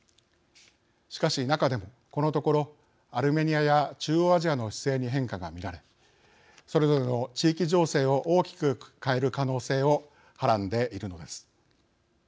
しかし、中でもこのところ、アルメニアや中央アジアの姿勢に変化が見られそれぞれの地域情勢を大きく変える可能性をはらんでいるのです。